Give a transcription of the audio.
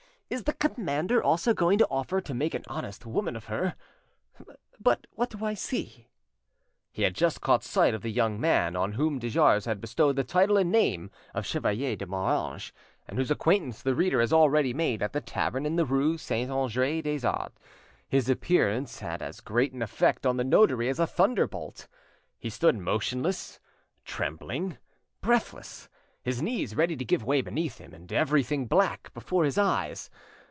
Is the commander also going to offer to make an honest woman of her? But what do I see?" He had just caught sight of the young man on whom de Jars had bestowed the title and name of Chevalier de Moranges, and whose acquaintance the reader has already made at the tavern in the rue Saint Andre des Arts. His appearance had as great an effect on the notary as a thunderbolt. He stood motionless, trembling, breathless; his knees ready to give way beneath him; everything black before his eyes.